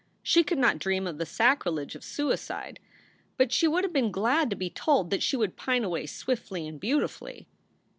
She could not dream of the sacrilege of suicide, but she would have been glad to be told that she would pine away swiftly and beautifully.